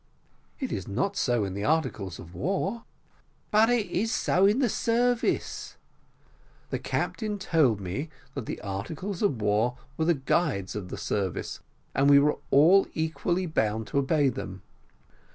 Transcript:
"It is not so in the articles of war." "But it is so in the service." "The captain told me that the articles of war were the guides of the service, and we were all equally bound to obey them."